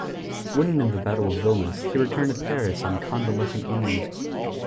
Wounded in the Battle of Vilnius, he returned to Paris on convalescent leave.